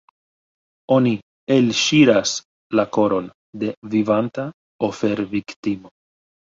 Oni elŝiras la koron de vivanta oferviktimo.